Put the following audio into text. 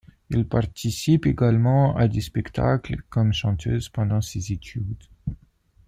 Elle participe également à des spectacles comme chanteuse pendant ses études.